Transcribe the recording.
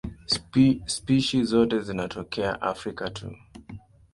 Spishi zote zinatokea Afrika tu.